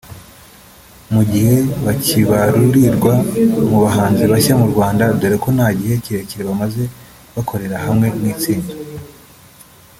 mu gihe bakibarurirwa mu bahanzi bashya mu Rwanda dore ko nta gihe kirekire bamaze bakorera hamwe nk’itsinda